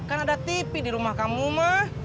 kan ada tv di rumah kamu mah